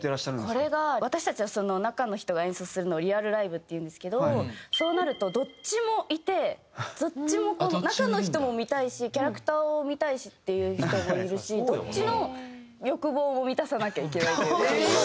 これが私たちは中の人が演奏するのをリアルライブって言うんですけどそうなるとどっちもいてどっちも中の人も見たいしキャラクターを見たいしっていう人もいるしどっちの欲望も満たさなきゃいけないというか。